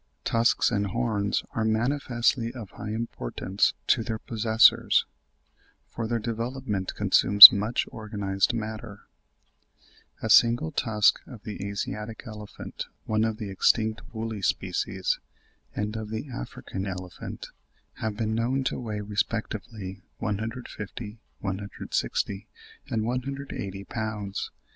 Tusks and horns are manifestly of high importance to their possessors, for their development consumes much organised matter. A single tusk of the Asiatic elephant—one of the extinct woolly species—and of the African elephant, have been known to weigh respectively 150, 160, and 180 pounds; and even greater weights have been given by some authors.